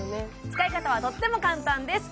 使い方はとっても簡単です